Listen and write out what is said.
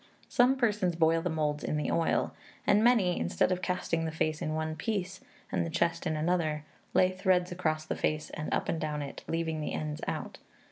Some persons boil the moulds in the oil; and many, instead of casting the face in one piece, and the chest in another, lay threads across the face and up and down it, leaving the ends out.